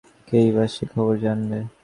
কেই বা সে খবর জানবে!